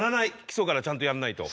基礎からちゃんとやんないと。